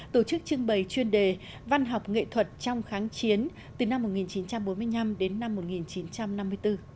tổ chức trưng bày chuyên đề văn học nghệ thuật trong kháng chiến từ năm một nghìn chín trăm bốn mươi năm đến năm một nghìn chín trăm năm mươi bốn